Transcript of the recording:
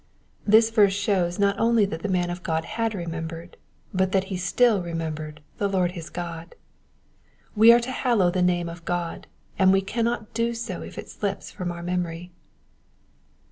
This verse shows not only that the man of God had remembered, but that he still remembered the Lord his God. "We are to hallow the name of God, and we cannot do so if it slips from our memory.